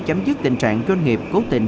chấm dứt tình trạng doanh nghiệp cố tình